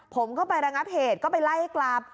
ผมก็ไประงับเหตุก็ไปไล่กลับ